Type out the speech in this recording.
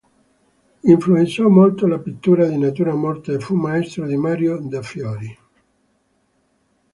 Influenzò molto la pittura di natura morta e fu maestro di Mario de' Fiori.